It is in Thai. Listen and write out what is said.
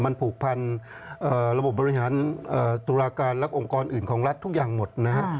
มันผูกพันระบบบบริหารตุลาการและองค์กรอื่นของรัฐทุกอย่างหมดนะฮะ